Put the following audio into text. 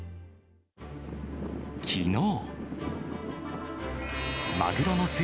きのう。